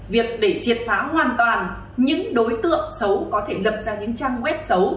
việc để triệt phá hoàn toàn những đối tượng xấu có thể lập ra những trang web xấu